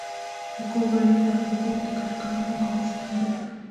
د کور بریا د اهلِ کور د ګډ کار او همکارۍ ثمره ده.